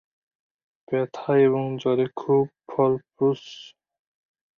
ব্যথা এবং জ্বরে খুব ফলপ্রসূ।